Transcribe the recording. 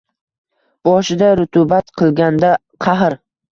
Boshida rutubat qilganda qahr